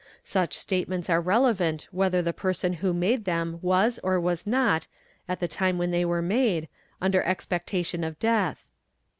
_ Such statements are relevant whether the person who made them was ; or was not, at the time when they were made, under expectation of Mdeath